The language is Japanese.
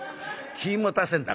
気ぃ持たせんな